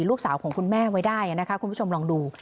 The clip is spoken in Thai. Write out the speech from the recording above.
ลูกสาวของคุณแม่ไว้ได้นะคะคุณผู้ชมลองดู